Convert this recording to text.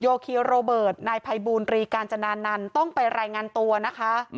คีโรเบิร์ตนายภัยบูรณรีกาญจนานันต์ต้องไปรายงานตัวนะคะ